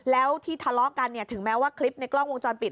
แล้วที่ทะเลาะกันเนี่ยถึงแม้ว่าคลิปในกล้องวงจรปิด